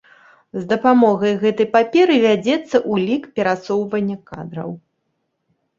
З дапамогай гэтай паперы вядзецца ўлік перасоўвання кадраў.